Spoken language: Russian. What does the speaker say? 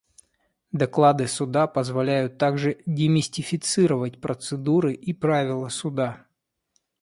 Доклады Суда позволяют также демистифицировать процедуры и правила Суда.